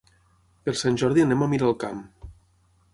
Per Sant Jordi anam a Miralcamp.